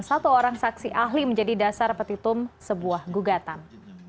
satu orang saksi ahli menjadi dasar petitum sebuah gugatan